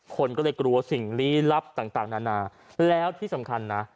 คนก็เลยกลัวสิ่งลี้ลับต่างนานาแล้วที่สำคัญนะ